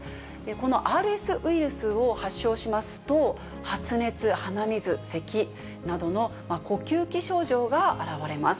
このＲＳウイルスを発症しますと、発熱、鼻水、せきなどの呼吸器症状が現れます。